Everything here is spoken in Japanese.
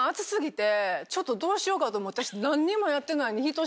ちょっとどうしようかと思って私。